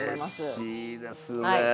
うれしいですね。